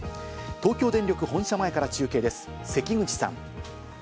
東京電力本社前から中継です、関口さん。